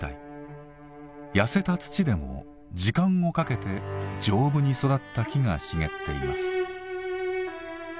やせた土でも時間をかけて丈夫に育った木が茂っています。